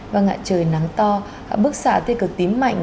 vâng ạ trời nắng to bức xạ tê cực tím mạnh